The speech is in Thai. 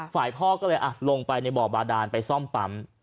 ฝ่ายพ่อก็เลยลงไปในบ่อบาดานไปซ่อมปั๊ม